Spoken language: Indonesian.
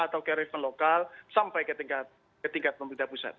atau kearifan lokal sampai ke tingkat pemerintah pusat